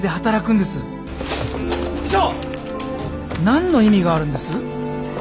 何の意味があるんです？